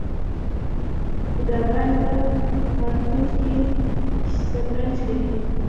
بوډاګان په پارکونو کې شطرنج کوي.